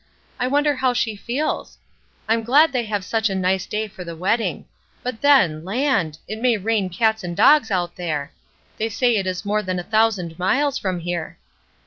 I wonder how she feels? I'm glad they have such a nice day for the wedding ; but then, land 1 it may rain cats and dogs out there. They say it is more than a thousand miles from here."